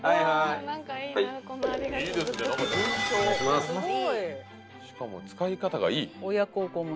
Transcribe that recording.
はいはい。